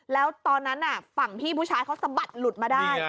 แล้วตอนนั้นฝั่งพี่ผู้ชายเขาสะบัดหลุดมาได้